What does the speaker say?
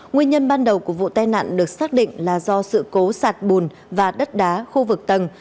nguyên nhân ban đầu của vụ tai nạn được xác định là do sự cố sạt bùn và đất đá khu vực tầng